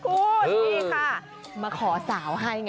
โปรดติดตามต่อไป